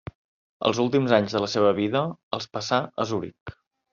Els últims anys de la seva vida els passà a Zuric.